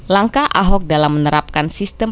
langkah ahok dalam menerapkan sistem